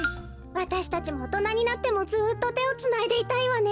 わたしたちもおとなになってもずっとてをつないでいたいわね。